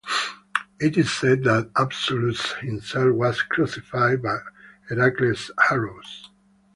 It is said that Asbolus himself was crucified by Heracles' arrows.